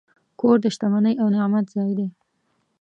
کور د شتمنۍ او نعمت ځای دی.